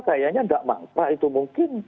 kayanya tidak mangkrak itu mungkin